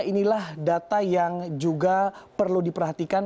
inilah data yang juga perlu diperhatikan